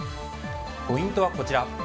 ポイントはこちら。